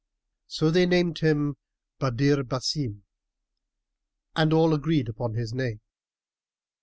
So they named him Badr Básim,[FN#313] and all agreed upon this name.